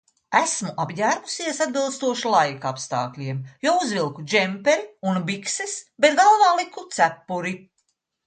Esmu apģērbusies atbilstoši laika apstākļiem, jo uzvilku džemperi un bikses, bet galvā liku cepuri.